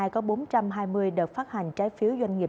có bốn trăm hai mươi đợt phát hành trái phiếu doanh nghiệp